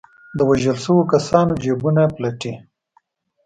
د وژل شوو کسانو جېبونه پلټي.